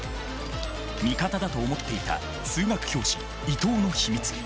味方だと思っていた数学教師伊藤の秘密。